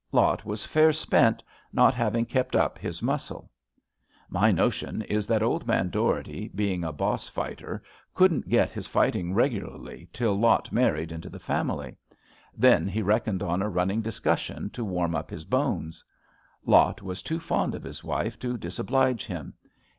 Lot was fair spent, not having kept up his muscle. My notion is that old man Dougherty being a boss fighter couldn't get his fighting regularly till Lot married into the family. Then he reckoned on a running discussion to warm up his bones. Lot was too fond of his wife to disoblige him.